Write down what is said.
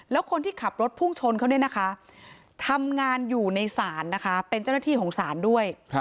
แล้วคนที่ขับรถพุ่งชนเขาเนี่ยนะคะทำงานอยู่ในศาลนะคะเป็นเจ้าหน้าที่ของศาลด้วย